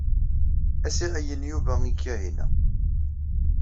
Ad as-iɛeyyen Yuba i Kahina.